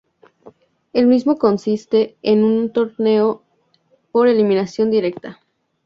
El mismo consiste en un torneo por eliminación directa.